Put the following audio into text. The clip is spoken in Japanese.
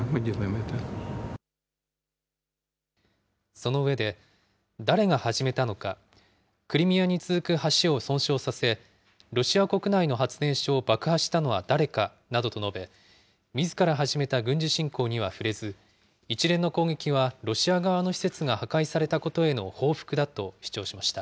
その上で、誰が始めたのか、クリミアに続く橋を損傷させ、ロシア国内の発電所を爆破したのは誰かなどと述べ、みずから始めた軍事侵攻には触れず、一連の攻撃はロシア側の施設が破壊されたことへの報復だと主張しました。